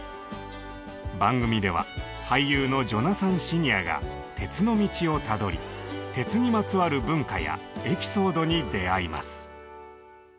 番組では俳優のジョナサン・シニアが「鉄の道」をたどり鉄にまつわる文化やエピソードに出会います。